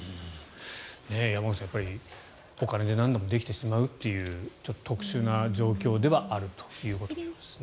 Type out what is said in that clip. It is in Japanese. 山口さん、お金でなんでもできてしまうという特殊な状況ではあるということですね。